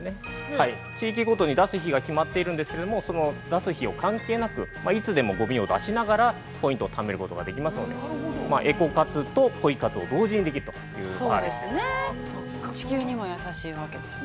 ◆地域ごとに出す日が決まっているんですけれども、その出す日を関係なく、いつでもごみを出しながら、ポイントをためることができますので、エコ活とポイ活を同時にできるというサービスです。